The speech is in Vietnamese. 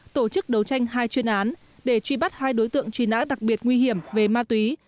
tổ chức đấu tranh hai chuyên án để truy bắt hai đối tượng truy nã đặc biệt nguy hiểm về ma túy